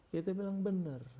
kita bilang bener